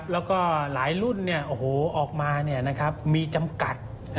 แล้วก็หลายรุ่นออกมามีจำกัด